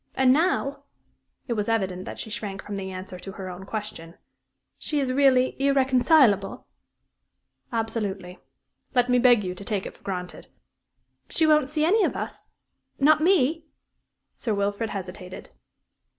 "And now" it was evident that she shrank from the answer to her own question "she is really irreconcilable?" "Absolutely. Let me beg you to take it for granted." "She won't see any of us not me?" Sir Wilfrid hesitated.